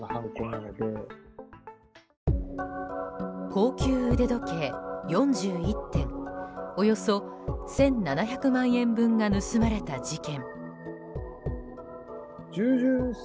高級腕時計４１点およそ１７００万円分が盗まれた事件。